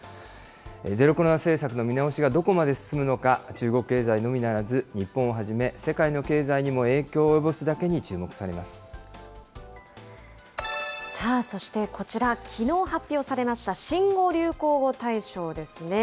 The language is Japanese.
ゼロコロナ政策の見直しがどこまで進むのか、中国経済のみならず、日本をはじめ、世界の経済にも影さあ、そしてこちら、きのう発表されました新語・流行語大賞ですね。